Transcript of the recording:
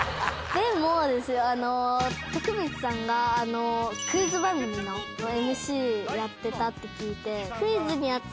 でもあの徳光さんがクイズ番組のＭＣやってたって聞いて。